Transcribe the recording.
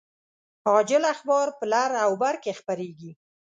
عاجل اخبار په لر او بر کې خپریږي